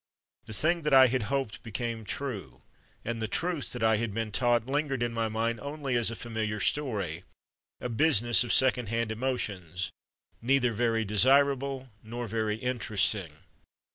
The thing that I had hoped became true ; and the truth that I had been taught lingered in my mind only as a familiar story, a busi ness of second hand emotions, neither very desirable nor very interesting.